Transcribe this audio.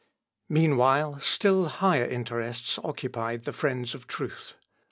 Meanwhile still higher interests occupied the friends of truth.